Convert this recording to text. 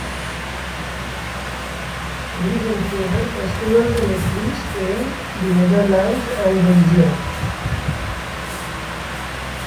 These included festivals in Italy, Spain, the Netherlands and Belgium.